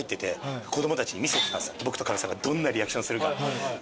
僕とかみさんがどんなリアクションするか。